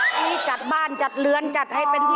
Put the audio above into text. ที่ด้านไทย